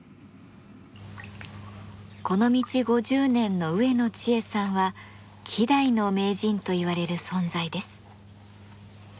この道５０年の植野知恵さんは希代の名人といわれる存在です。